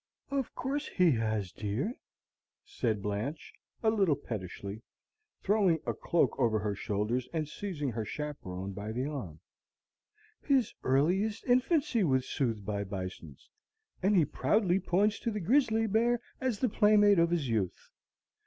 "Of course he has, dear," said Blanche, a little pettishly, throwing a cloak over her shoulders, and seizing her chaperon by the arm; "his earliest infancy was soothed by bisons, and he proudly points to the grizzly bear as the playmate of his youth.